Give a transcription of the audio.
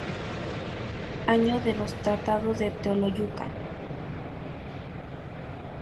Año de los Tratados de Teoloyucan".